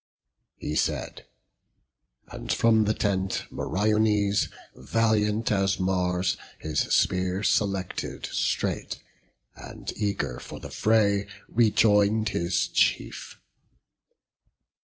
He said: and from the tent Meriones, Valiant as Mars, his spear selected straight, And, eager for the fray, rejoin'd his chief.